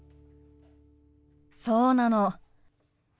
そうなの。